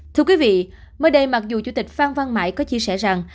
thưa quý vị mới đây mặc dù chủ tịch phan văn mãi có chia sẻ rằng